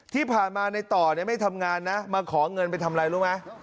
ที่ผ่านมาในต่อไม่ทำงานนะมาขอเงินไปทำอะไรรู้ไหม